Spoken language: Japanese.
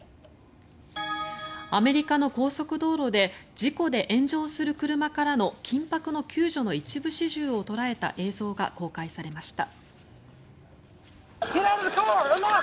アメリカの高速道路で事故で炎上する車からの緊迫の救助の一部始終を捉えた映像が公開されました。